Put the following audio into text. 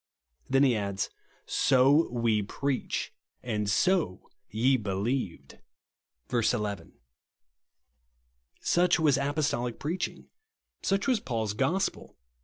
Then he adds :" So WE PREACH, AND SO YE BELIEVED," (verse 11.) Such was apostolic preaching. Such was Paul's gospel.